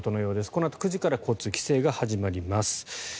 このあと９時から交通規制が始まります。